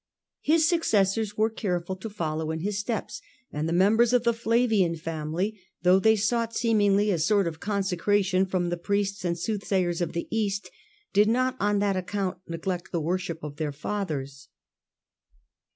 His successors were care ful to follow in his steps, and the members of the Flavian Reasons why family, though they sought seemingly a sort leften^during consccration from the priests and sooth traces. sayers of the East, did not on that account neglect the worship of their fathers.